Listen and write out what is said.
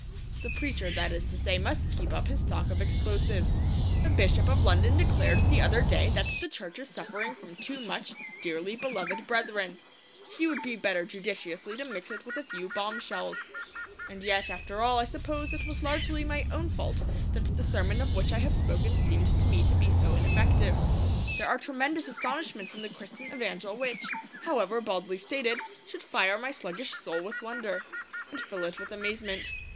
The preacher, that is to say, must keep up his stock of explosives. The Bishop of London declared the other day that the Church is suffering from too much 'dearly beloved brethren.' She would be better judiciously to mix it with a few bombshells. And yet, after all, I suppose it was largely my own fault that the sermon of which I have spoken seemed to me to be so ineffective. There are tremendous astonishments in the Christian evangel which, however baldly stated, should fire my sluggish soul with wonder, and fill it with amazement.